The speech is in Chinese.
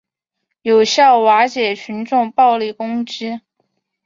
有效瓦解群众暴力攻击